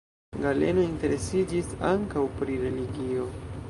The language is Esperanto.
Galeno interesiĝis ankaŭ pri religio.